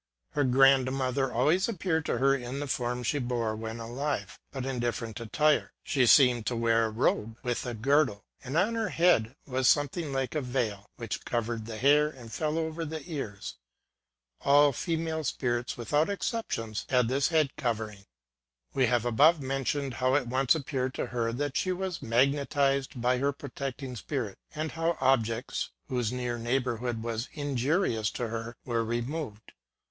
Her grandmother always appeared to her in the form she bore when alive, but in different attire : she seemed to wear a robe, with a girdle ; and on her head was something like a veil, which covered the hair and fell over the ears. All female spirits, without exception, had this head covering. We have above mentioned how it once appeared to her that she was magnetized by her protecting spirit, and how objects, whose near neighbourhood was injurious to I er, were removed.